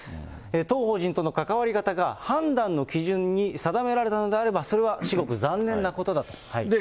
当法人との関わり方が判断の基準に定められたのであれば、それは岸田政権は。